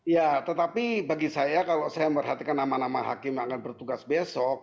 ya tetapi bagi saya kalau saya memperhatikan nama nama hakim yang akan bertugas besok